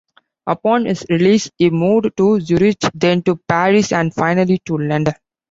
Upon his release he moved to Zurich, then to Paris and finally to London.